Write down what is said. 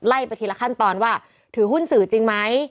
ไปทีละขั้นตอนว่าถือหุ้นสื่อจริงไหม